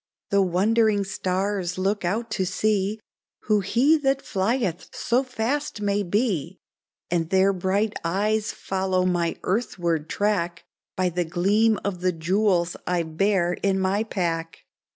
" The wondering stars look out to see Who he that flieth so fast may be, And their bright eyes follow my earthward track By the gleam of the jewels I bear in my pack.